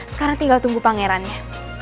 sekarang tinggal tunggu pangerannya